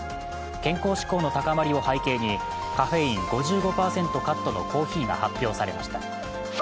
健康志向の高まりを背景に、カフェイン５５％カットのコーヒーが発表されました。